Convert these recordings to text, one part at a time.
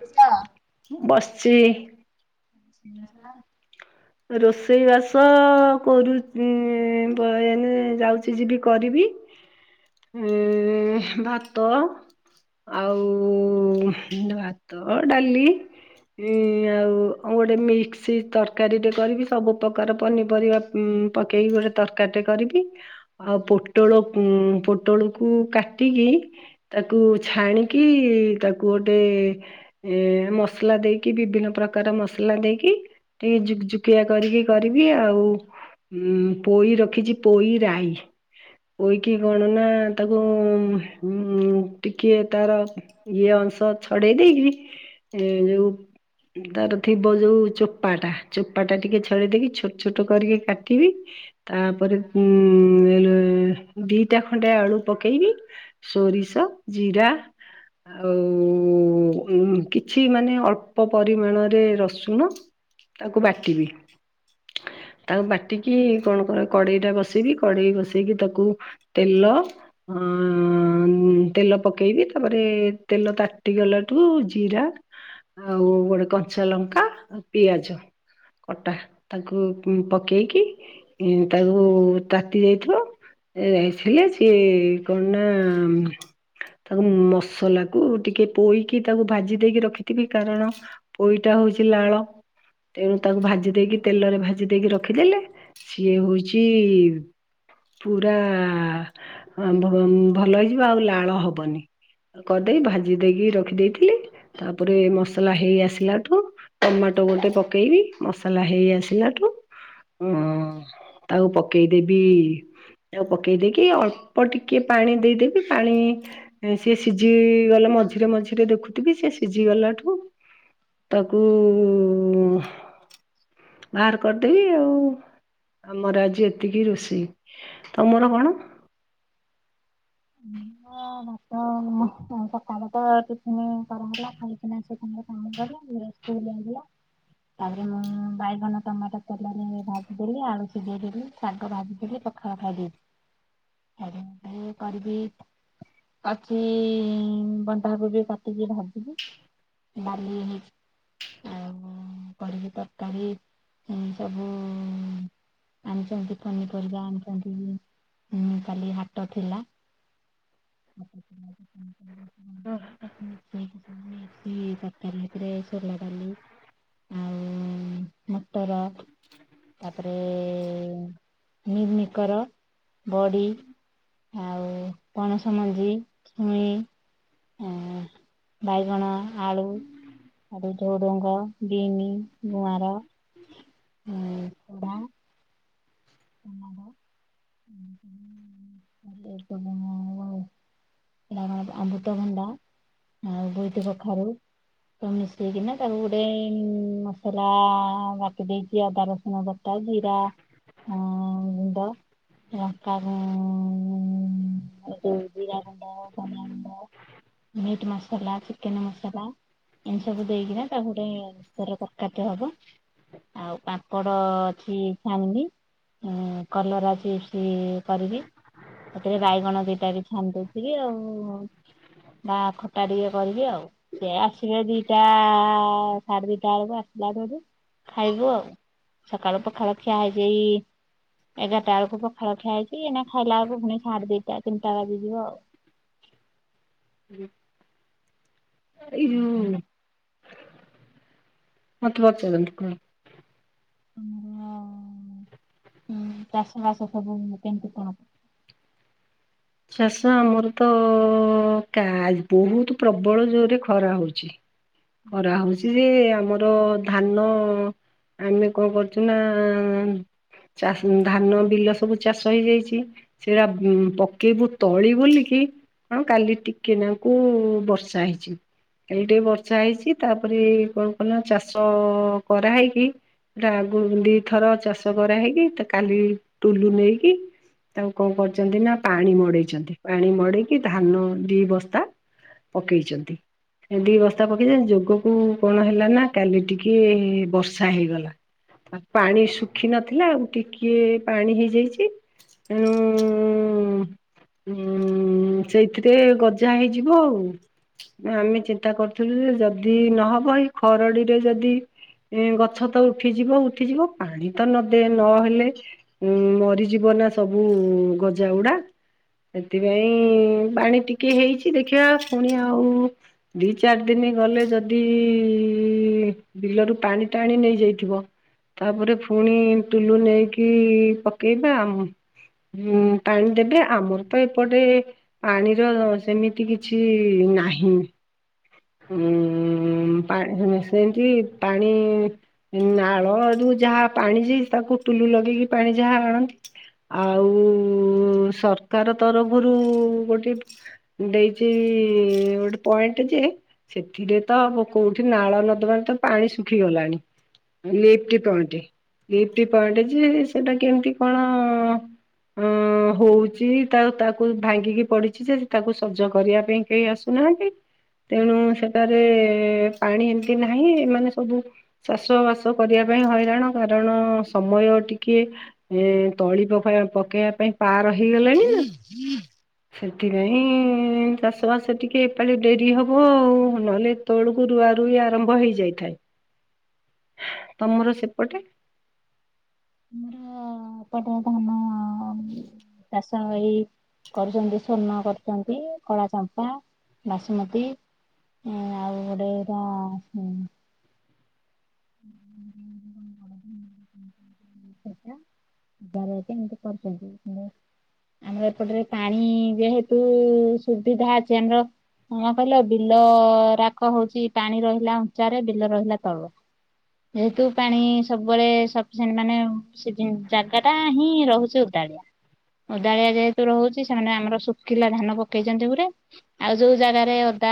ଭାତ ବସଚି। ଇଁ ହା। ରୋଷେଇ ବାସ କରୁବି ଏଁ ବା ଏଁ ଯାଉଚି ଯିବି କରିବି। ଏ ଭାତ। ଆଉ ଭାତ ଡାଲି। ଇଁ ଆଉ ଆଉ ଗୋଟେ ମିକ୍ସି ସି ତରକାରୀଟେ କରିବି ସବୁ ପ୍ରକାର ପନିପରିବା ଉଁ ପକେଇକି ଗୋଟେ ତରକାରୀଟେ କରିବି। ଆଉ ପୋଟଳ ଉଁ ପୋଟଳକୁ କାଟିକି ତାକୁ ଛାଣିକି ତାକୁ ଗୋଟେ ଏ ମସଲା ଦେଇକି ବିଭିନ୍ନ ପ୍ରକାର ମସଲା ଦେଇକି ଟିକେ ଯୁକ୍ ଯୁକିଆ କରିକି କରିବି ଆଉ। ଉଁ ପୋଇ ରଖିଚି ପୋଇ ରାଇ। ପୋଇକି କଣ ନା ତାକୁ ଉଁ ଉଁ ଟିକେ ତାର ଇଏ ଅଂଶ ଛଡେଇ ଦେଇକି ଇଏ ଯୋଉ ତାର ଥିବ ଯୋଉ ଚୋ ପା ଟା ଚୋପା ଟା ଟିକେ ଛଡେଇ ଦେଇକି ଛୋଟ ଛୋଟ କରିକି କାଟିବି। ତାପରେ ଉଁ ଏଲେ ଦିଟା ଖଣ୍ଡେ ଆଳୁ ପକେଇବି। ସୋରିଷ ଜିରା। ଆଉ ଉଁ ଉଁ କିଛି ମାନେ ଅଳ୍ପ ପରିମାଣରେ ରସୁଣ। ତାକୁ ବାଟିବି। ତାକୁ ବାଟିକି କଣ କ କଡେଇ ଟା ବସେଇବି କଡେଇ ବସେଇକି ତାକୁ ତେଲ। ହଁଆ ତେଲ ପକେଇବି ତାପରେ ତେଲ ତାଟିଗଲାଠୁ ଜିରା। ଆଉ ଗୋଟେ କଞ୍ଚା ଲଙ୍କା ଆଉ ପିଆଜ। କଟା ତାକୁ ଉଁ ପକେଇକି ତାକୁ ତାତି ଯାଇଥିବ। ଏ ଆଇ ଥିଲେ ସିଏ କଣ ନା। ତାକୁ ମସଲାକୁ ଟିକେ ପୋଇକି ତାକୁ ଭାଜି ଦେଇକି ରଖିଥିବି କାରଣ ପୋଇଟା ହଉଚି ଲାଳ। ତେଣୁ ତାକୁ ଭାଜି ଦେଇକି ତେଲରେ ଭାଜି ଦେଇକି ରଖିଦେଲେ ସିଏ ହଉଚି ପୁରା ଆ ଭ ଭଲ ହେଇଯିବ ଆଉ ଲାଳ ହବନି। କରିଦେଇ ଭାଜି ଦେଇକି ରଖିଦେଇଥିଲି। ତାପରେ ମସଲା ହେଇ ଆସିଲାଠୁ ଟମା ଟ ଗୋଟେ ପକେଇବି ମସଲା ହେଇ ଆସିଲାଠୁ। ହଁଅ ତାକୁ ପକେଇଦେବି। ତାକୁ ପକେଇ ଦେଇକି ଅଳ୍ପ ଟିକେ ପାଣି ଦେଇଦେବି ପାଣି ସିଏ ସିଜିଇ ଗଲେ ମଝିରେ ମଝିରେ ଦେଖୁଥିବି ସିଏ ସିଝିଗଲାଠୁ ତାକୁଉ ଉ ବାହାର କରିଦେବି ଆଉ। ଆମର ଆଜି ଏତିକି ରୋଷେଇ ତମର କଣ? ହଁ ହଁ ହଁ ମ ସକାଳେ ତ ଆ ଟିଫିନି କରା ହେଲା ଖାଇକିନା ସେ ଗଲେ। [unintelligible] ତାପରେ ମୁଁ ବାଇଗଣ ଟମାଟୋ ତେଲରେ ଭାଜିଦେଲି ଆଳୁ ସିଜେଇ ଦେଲି ଶାଗ ଭାଜିଦେଲି ପଖାଳ ଖାଇଦେଇ ଖାଲି ମୁଁ କରିବି ଅଛି ବନ୍ଧାକୋବି କାଟିକି ଭାଜିବି। ଡାଲି ହେଇଚି ଆଉ ମୁଁ କଲି ତରକାରୀ ସବୁ ଆଣିଚନ୍ତି ପନିପରିବା ଆଣିଚନ୍ତି ଉଁ କାଲି ହାଟ ଥିଲା। [inaudible] ଆଃ [unintelligible] ତରକାରି ଭିତରେ ସୋଲା ଡାଲି। ଆଉ ମଟର ତାପରେ ମିଲ୍ ମିକର, ବଡ଼ି ଆଉ ପଣସ ମଞ୍ଜି, ଛୁଇଁ ଆଉ ବାଇଗଣ, ଆଳୁ ହେଟୁ ଝୁଡଙ୍ଗ, ବି-ନି, ଗୁଆଁର ଆଉ ଭାଉ ଟମାଟ [unintelligible] ସେଟା କଣ ଅମୃତଭଣ୍ଡା ଆଉ ବୋଇତି କଖାରୁ ତ ମିଶେଇକିନା ତାକୁ ଗୋଟେ ମସଲା ବାଟି ଦେଇଚି ଅଦା ରସୁଣ ବ [unintelligible] ଜିରା [unintelligible] ଲଙ୍କା ଗୁଁ- ଏ ଯଉ ଜିରା ଗୁଣ୍ଡ, ଧନିଆ ଗୁଣ୍ଡ ମିଟ୍ ମସଲା ଚିକେନ୍ ମସଲା ଇନ୍ତି ସବୁ ଦେଇକିନା ତାକୁ ଗୋଟେ ତରକାରୀ ଟେ ହବ। ଆଉ ପାପଡ ଅଛି ଛାଣିବି। ଉଁ -କଲରା ଚିପ୍ସ୍ ବି କରିବି ସେଥିରେ ବାଇଗଣ ଦି ଟା ବି ଛାଣିଦେବି। ବି ଆଉ ବା ଖଟା ଟିକେ କରିବି ଆଉ। ସେ ଆସିବେ ଦିଟା ସାଢେ ଦିଟା ବଳକୁ ଆସିଲାଠୁ ହେଟୁ ଖାଇବୁ ଆଉ। ସକାଳୁ ପଖାଳ ଖିଆ ହେଇଚି ଏଗାରଟା ବଳକୁ ପଖାଳ ଖିଆ ହେଇଚି ଏଇନା ଖାଇଲା ବେଳକୁ ପୁଣି ସାଢେ ଦିଟା ତିନିଟା ବାଜିଯିବ ଆଉ। ହୁଁ ଏଇ ଯୋଉ ମତେ ପଚାରନ୍ତୁ କଣ? ତମର ଚାଷ ବାସ ସବୁ କେମିତି କଣ? ଚାଷ ଆମର ତ କା- ବହୁତ୍ ପ୍ରବଳ ଜୋର୍ ରେ ଖରା ହଉଚି। ଖରା ହଉଚି ଯେ ଆମର [unintelligible] ଧାନ ଆମେ କଣ କରୁଚୁ ନା ଚା- ଧାନ ବିଲ ସବୁ ଚାଷ ହେଇଯାଇଚି ସେରା ପ କେବୁ ତଳି ବୋଲିକି [unintelligible] କାଲି ଟିକେ ନାକୁ ବର୍ଷା ହେଇଚି। କାଲି ଟିକେ ବର୍ଷା ହେଇଚି ତାପରେ କଣ କନ ଚାଷ କରାହେଇକି ଗା -ଗୁ ଦିଥର ଚାଷ କରା ହେଇକି ତ କାଲି ଟୁଲୁ ନେଇକି ତାକୁ କଣ କରିଚନ୍ତି ନା ପାଣି ମଡେଇଚନ୍ତି ପାଣି ମଡେଇକି ଧାନ ଦି ବସ୍ତା ପକେଇଚନ୍ତି। ଏ ଦି ବସ୍ତା ପକେଇଦେଇ ଯୋଗକୁ କଣ ହେଲା ନା କାଲି ଟିକେ ବର୍ଷା ହେଇଗଲା। ପାଣି ଶୁଖି ନଥିଲା ଆଉ ଟିକିଏ ପାଣି ହେଇଯାଇଚି। [unintelligible] ହଁ -ଉଁ -ସେଇଥିରେ ଗଜା ହେଇଯିବ ଆଉ। ଆମେ ଚିନ୍ତା କରୁଥିଲୁ ଯେ ଯଦି ନହବ ଏଇ ଖରଡିରେ ଯଦି ଏ ଗଛ ତ ଉଠିଯିବ ଉଠିଯିବ ପାଣି ତ ନଦେ ନହେଲେ ଉଁ ମରିଯିବ ନା ସବୁ ଗଜାଗଡା। ସେଥିପାଇଁ ପାଣି ଟିକେ ହେଇଛି ଦେଖିବା ପୁଣି ଆଉ ଦି ଚାରି ଦିନି ଗଲେ ଯଦି ବିଲରୁ ପାଣି ଟାଣି ନେଇଯାଇଥିବ। ତାପରେ ପୁଣି ଟୁଲୁ ନେଇକି ପକେଇବା ଆଉ। ହୁଁ ପାଣି ଦେବେ ଆମର ତ ଏପଟେ ପାଣିର ସେମିତି କିଛି ନାହିଁ। [unintelligible] ପାଣି ସେ ପାଣି ନାଳରୁ ଯାହା ପାଣି ଯାଇଛି ତାକୁ ଟୁଲୁ ଲଗେଇକି ପାଣି ଯାହା ଆଣନ୍ତି। ଆଉ ସରକାର ତରଫରୁ ଗୋଟେ ଦେଇଛି ଗୋଟେ ପଏଣ୍ଟ୍ ଯେ ସେଥିରେ ତ କୋଉଠି ନାଳ ନର୍ଦ୍ଦମା ତ ପାଣି ଶୁଖିଗଲାଣି। ଲିଫ୍ଟ୍ ପଏଣ୍ଟ ଲିଫ୍ଟ୍ ପଏଣ୍ଟ ଯେ ସେଟା କେମିତି କଣ [unintelligible] ହଉ। ଚି ତା ତାକୁ ଭାଙ୍ଗିକି ପଡିଛି ଯେ ତାକୁ ସଜ କରିବା ପାଇଁ କେହି ଆସୁନାହାଁନ୍ତି। ତେଣୁ ସେଠାରେ ପାଣି ଏମିତି ନାହିଁ ମାନେ ସବୁ ଚାଷବାସ କରିବା ପାଇଁ ହଇରାଣ କାରଣ ସମୟ ଟିକିଏ ଯେ ତଳି ପ ପକେଇବା ପାଇଁ ପାର ହେଇଗଲାଣି ନା ସେଥିପାଇଁ ଚାଷବାସ ଟିକେ ଏପାଳି ଡେରି ହେବ ଆଉ ନହେଲେ ଏତଳକୁ ରୁଆ ରୁଇ ଆରମ୍ଭ ହେଇଯାଇଥାଏ ତମର ସେପଟେ ହଁ ଏ ପଟୁଆ ଧାନଚାଷ ହେ କରୁଛନ୍ତି ସ୍ଵର୍ଣ୍ଣ କରୁଛନ୍ତି କଳା ଚମ୍ପା ବାସୁମତୀ ହଁ ଆଉ ଗୋଟେ ର ହୁଁ। [unintelligible] ଏମିତି କରୁଛନ୍ତି। ଆମର ଏପଟରେ ପାଣି ଯେହେତୁ ସୁବିଧା ଅଛି କଣ କହିଲ ବିଲ ରାଗ ହଉଚି ପାଣି ରହିଲା ଉଞ୍ଚାରେ ବିଲ ରହିଲା ତଳେ ଯେହେତୁ ପାଣି ସବୁବେଳେ ସପିସେଣ୍ଟ ମାନେ ସେ ଜାଗା ଟା ହିଁ ରହୁଛି ଓଦାଳିଆ ଓଦାଳିଆ ଯେହେତୁ ରହୁଛି ସେମାନେ ଆମର ଶୁଖିଲା ଧାନ ପକେଇଛନ୍ତି ଗୁରେ ଆଉ ଯୋଉ ଜାଗାରେ ଓଦା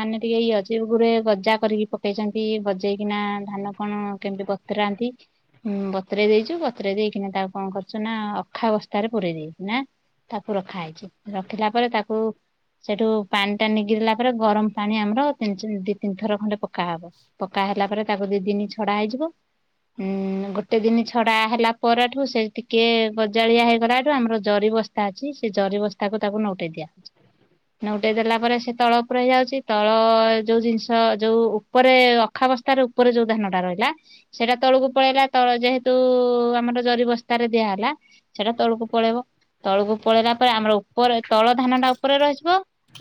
ମାନେ ଟିକେ ଇଏ ଅଛି ଗୁରେ ଗଜା କରିକି ପକେଇଛନ୍ତି। କେମିତି ଗଜେଇକିନା ଧାନ କଣ କେମିତି ବତୁରାନ୍ତି। ଉଁ ବତୁରେଇ ଦେଇଛୁ ବତୁରେଇ ଦେଇକିନା ତାକୁ କଣ କରୁଛୁ ନା ଅଖା ବସ୍ଥାରେ ପୁରେଇ ଦେଇଛୁ ନା ତାକୁ ରଖା ହେଇଛି ରଖିଲା ପରେ ତାକୁ ସେଠୁ ପାଣି ଟା ନିଗିଡିଲା ପରେ ଗରମ ପାଣି ଆମର ତିନି ଦି ତିନି ଥର ଖଣ୍ଡେ ପକା ହବ। ପକା ହେଲା ପରେ ତାକୁ ଦି ଦିନ ଛଡା ହେଇଯିବ ଉଁ ଗୋଟେ ଗୋଟେ ଦିନ ଛଡ଼ା ହେଲା ପରଠୁ ସେ ଟିକିଏ ଗଜାଳିଆ ହେଗଲାଠୁ ଆମର ଜରି ବସ୍ ଓଦା ଅଛି ସେ ଜରି ବସ୍ତାକୁ ତାକୁ ନଉଟେଇ ଦିଆହଉଛି। ନଉଟାଇ ଦେଲା ପରେ ସେ ତଳ ଉପରେ ହେଇଯାଉଛି ତଳ ଯୋଉ ଜିନିଷ ଯୋଉ ଉପରେ ଅଖାବସ୍ଥାରେ ଉପରେ ଯୋଉ ଧାନ ଟା ରହିଲା ସେଇଟା ତଳକୁ ପଳେଇଲା ତଳ ଯେହେତୁ ଆମର ଜରି ବସ୍ତାରେ ଦିଆ ହେଲା ସେଟା ତଳକୁ ପଳେଇବ ତଳକୁ ପଳେଇଲା ପରେ ଆମର ଉପରେ ତଳ ଧାନ ଟା ଉପରେ ରହିିଯିବ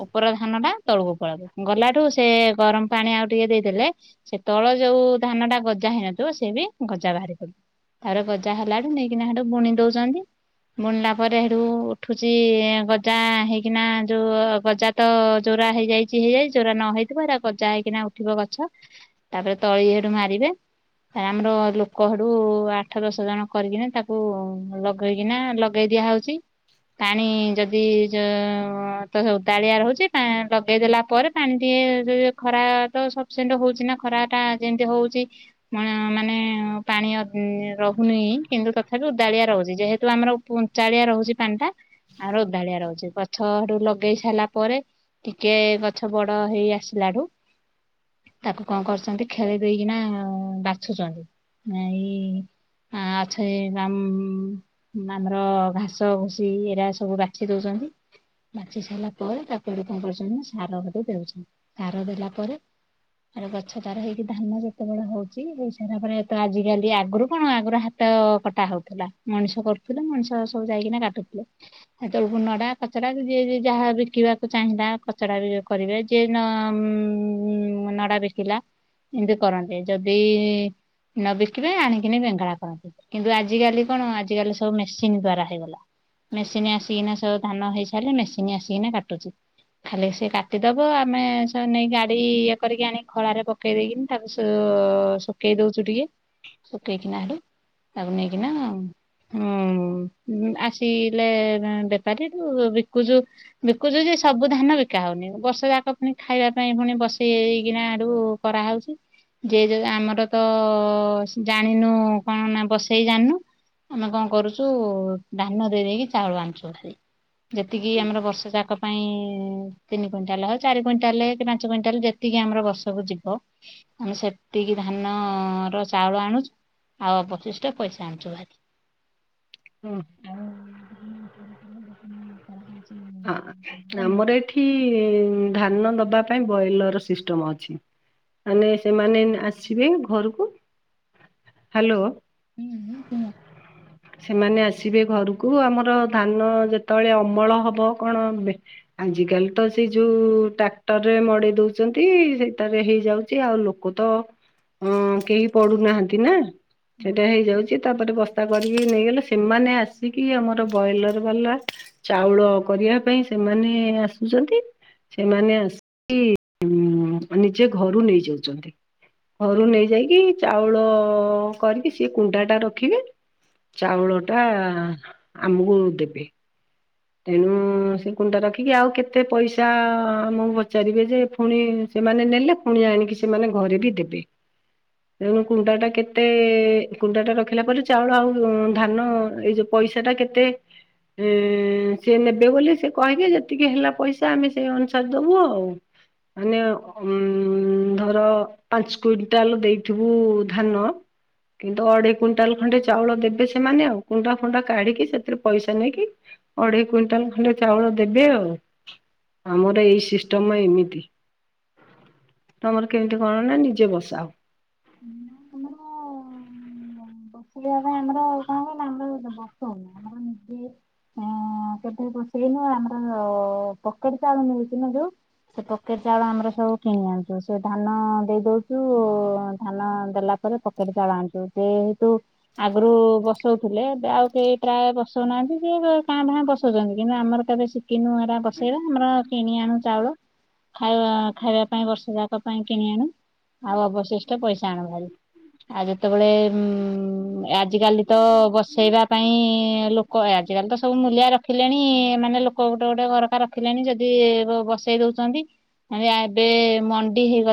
ଉପର ଧାନ ଟା ତଳକୁ ପଳେଇବ ଗଲାଠୁ ସେ ଗରମ ପାଣି ଆଉ ଟିକେ ଦେଇଦେଲେ ସେ ତଳ ଯୋଉ ଧାନ ଟା ଗଜା ହେଇନଥିବ ସେ ବି ଗଜା ଗଜା ବାହାରେ ତାପରେ ଗଜା ହେଲାଠୁ ନେଇକିନାଠୁ ବୁଣି ଦଉଛନ୍ତି। ବୁଣିଲା ପରେ ହଠୁ ଉଠୁଛି ଗଜା ହେଇକିନା ଯୋଉ ଗଜା ତ ଜୋରା ହେଇଯାଇଛି ହେଇଯାଇଛି ଜୋରା ନ ହେଇଥିବ ଏରା ଯା ହେଇକିନା ଉଠିବ ଗଛ ତାପରେ ତଳି ଇଏ ରୁ ମାରିବେ ଆମର ଲ କଡୁ ଆଠ ଦଶ ଜଣ କରିକିନା ତାକୁ ଲଗେଇକିନା ଲଗେଇ ଦିଆ ହଉଛି। ପାଣି ଯଦି ତ ଓଦାଳିଆ ରହୁଛି ଲଗେଇ ଦେଲା ପରେ ପାଣି ଟିକେ ଯ ଖରା ତ ସିଣ୍ଟ ହଉଛି ନା ଖରା ଟା ଯେମିତି ହଉଛି। ମାନେ ପାଣି ରହୁନି କିନ୍ତୁ ତଥାପି ଳିଆ ରହୁଛି ଯେହେତୁ ଆମର ଚାଳିଆ ରହୁଛି ପାଣି ଟା। ଆଉ ରଦାଳିଆ ରହୁଛି ଗଛ ରୁ ଲଗେଇ ସାରିଲା ପରେ ଟିକେ ଗଛ ବଢ। ହେଇ ଆସିଲା ଠୁ। ତାକୁ କଣ କରୁଛନ୍ତି ଖେଳି ଦେଇକିନା ବାଛୁଛନ୍ତି ଏଇ ହଁ ଆଛ ଆମ ଆମର ଘାସ ଘୁସି ଏଡା ସବୁ ବାଛି ଦଉଛନ୍ତି। ବାଛି ସାରିଲା ପରେ ତାକୁ ଆଡୁ କଣ କରୁଛନ୍ତି ସାର ଦଉଛନ୍ତି ସାର ଦେଲା ପରେ ଆ ଗଛ ତାର ହେଇକି ଧାନ ଯେତେବେଳେ ହଉଛି ହେଇ ସାରା ପରେ ତ ଆଜିକାଲି ଆଗରୁ କଣ ଆଗରୁ ହାତ କଟା ହଉଥିଲା ମଣିଷ କରୁଥିଲେ ମଣିଷ ସବୁ ଯାଇକିନା କାଟୁଥିଲେ। ଏ ତେଳକୁ ନଡା କଚା ଯିଏ ଯାହା ବିକିବାକୁ ଚାହିଁଲା କଚଡା ବି କରିବେ। ସେ ନଡ଼ଆ ବିକିଲା ଏମିତି କରନ୍ତି ଯଦି ନ ବିକିବେ ଆଣିକିନି ବେଙ୍ଗଳା କରନ୍ତି। କିନ୍ତୁ ଆଜିକାଲି କଣ ଆଜିକାଲି ସବୁ ମେସିନ ଦ୍ଵାରା ହେଇଗଲା। ମେସିନ ଆସିକିନା ସବୁ ଧାନ ହେଇସାରିଲେ ମେସିନ୍ ଆସିକିନା କାଟୁଛି। ଖାଲି ସେ କାଟିଦବ ଆମେ ନେଇ ଗାଡି ଇଏ କରିକି ଆଣି ଖଳାରେ ଶକେଇ ଦେଇକିନି ତାପ ଶଖେଇ ଦଉଛୁ ଟିକେ ଶକେଇ କିନାହେଲେ। ତାକୁ ନେଇକି ନା ହଁ ଆସିଲେ ବେପାରୀ କୁ ବିକୁଛୁ। ବିକୁଛୁ ଯେ ସବୁ ଧାନ ବିକା ହଉନି ବର୍ଷ ଯାକ ପୁଣି ଖାଇବା ପାଇଁ ପୁଣି ବସେଇ ହେଇକିନା ଆଡୁ କରାହଉଛି ଯେ ଯ ଆମର ତ ଜାଣିନୁ କଣ ନା ବସେଇ ଜାଣିନୁ। ଆମେ କଣ କରୁଛୁ ଧାନ ଦେଇ ଦେଇକି ଚାଉଳ ଆଣିଛୁ ଭଲି ଯେତିକି ଆମର ବର୍ଷା ଯାକ ପାଇଁ ତିନି କୁଇଣ୍ଟାଲଉ ଚାରି କୁଇଣ୍ଟାଲ କି ପାଞ୍ଚ କୁଇଣ୍ଟାଲ ଯେତିକି ଆମର ବର୍ଷକୁ ଯିବ। ଆମେ ସେତିକି ଧାନ। ଧାନ ର ଚାଉଳ ଆଣୁଛୁ ଆଉ ଅବଶିଷ୍ଟ ପଇସା ଆଣୁଛୁ ଭାରି। ହୁଁ। ଆଉ ହଁ ଆମର [unintelligible] ଏଠି ଧାନ ଦବା ପାଇଁ ବ୍ରଏଲର ସିଷ୍ଟମ ଅଛି। ମାନେ ସେମାନେ ଆସିବେ ଘରକୁ ହ୍ୟାଲୋ। ହୁଁ ହୁଁ କୁମ। ସେମାନେ ଆସିବେ ଘରକୁ ଆମର ଧାନ ଯେତେବେଳେ ଅମଳ ହବ କଣ ଆଜିକାଲି ତ ସେ ଯୋଉ ଟ୍ରାକ୍ଟରରେ ମଡେଇ ଦଉଛନ୍ତି ସେଇଟାରେ ହେଇଯାଉଛି ଆଉ ଲୋ କ ତ ଅ କେହି ପଡୁନାହାନ୍ତି ନା ସେଟା ହୁଁ। ହେଇଯାଉଛି ତାପରେ ବସ୍ତା କରିକି ନେଇଗଲେ ସେମାନେ ଆସିକି ଆମର ବ୍ରଏଲର ବାଲା। ଚାଉଳ କରିବା ପାଇଁ ସେମାନେ ଆସୁଛନ୍ତି। ସେମାନେ ଆସିି ନିଜେ ଘରୁ ନେଇ ଯାଉଛନ୍ତି। ଘରୁ ନେଇ ଯାଇକି ଚାଉଳ କରିକି ସିଏ କୁଣ୍ଡା ଟା ରଖିବେ। ଚାଉଳ ଟା ଆମକୁ ଦେବେ। ତେଣୁ ସେ କୁଣ୍ଡା ରଖିକି ଆଉ କେତେ ପଇସା ଆମକୁ ପଚାରିବେ ଯେ ପୁଣି ସେମାନେ ନେଲେ ପୁଣି ଆଣିକି ସେମାନେ ଘରେ ବି ଦେବେ। ତେଣୁ କୁଣ୍ଡା ଟା କେତେ କୁଣ୍ଡା ଟା ରଖିଲା ପରେ ଚାଉଳ ଆଉ ଧାନ ଏଇ ଯୋଉ ପଇସା ଟା କେତେ ଉ ସେି ନେବେ ବୋଲି ସେ କହିବେ ଯେତିକି ହେଲା ପଇସା ଆମେ ସେ ଅନୁସାରେ ଦବୁ ଆଉ। ମାନେ ଧର। ପାଞ୍ଚ କୁଇଣ୍ଟାଲ ଦେଇଥିବୁ ଧାନ। କିନ୍ତୁ ଅଢେଇ କୁଇଣ୍ଟାଲ ଖଣ୍ଡେ ଚାଉଳ ଦେବେ ସେମାନେ ଆଉ କୁଣ୍ଟା ଫୁଣ୍ଡା କାଢିକି ସେଥିରେ ପଇସା ନେଇକି ଅଢ଼େଇ କୁଇଣ୍ଟାଲ ଖଣ୍ଡେ ଚାଉଳ ଦେବେ ଆଉ ଆମର ଏଇ ସିଷ୍ଟମ ଏମିତି ତମର କେମିତି କଣ ନା ନିଜେ ବସା ଅ ତମର ବସିବା ପାଇଁ ଆମର କଣ କହିଲ ଆମର ବସଉନି ଆମର ନିଜେ ହଁ କେବେ ବସେଇନୁ ଆମର ପକେଟ୍ ଚାଉଳ ନଉଛି ନା ଯୋଉ ସେ ପକେରୀ ଚାଉଳ ଆମର ସବୁ କିଣି ଆଣୁଛୁ ସେ ଧାନ ଦେଇଦଉଛୁ ଧାନ ଦେଲା ପକେଟ ଚାଳ ଆଣୁଚୁ ସେ ହେଠୁ। ଆଗରୁ ବସଉଥିଲେ ଏବେ ଆଉ କେହି ପ୍ରାୟ ବସଉନାହାନ୍ତି ସେ କାଁ ଭାଁ ବସଉଛନ୍ତି କିନ୍ତୁ ଆମର କେବେ ଶ କିିନୁ ଏରା ବସେଇବା ଆମର କିଣି ଆଣୁ ଚାଉଳ ଖାଇବା ଖାଇବା ପାଇଁ ବର୍ଷ ଯାକ ପାଇଁ କିଣି ଆଣୁ ଆଉ ଅବଶିଷ୍ଟ ପଇସା ଆଣୁ ଭାରି ଆଉ ଯେତେବେଳେ ଉ ହ ଆଜିିକାଲି ତ ବସେଇବା ପାଇଁ ଲୋକ ଆଜିକାଲି ତ ସବୁ ମୂଲିଆ ରଖ ରଖିଲେଣି ମାନେ ଲୋକ ଗୋଟେ ଗୋଟେ ଘରକା ରଖିଲେଣି ଯଦି ବସେଇ ଦଉଛନ୍ତି ଆ ଏବେ ମଣ୍ଡି ହେଇଗଲା